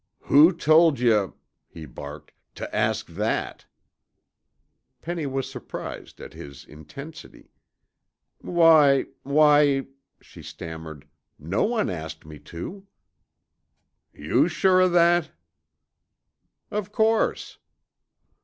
"Who told yuh," he barked, "tuh ask that?" Penny was surprised at his intensity. "Why why," she stammered, "no one asked me to." "You sure of that?" "Of course."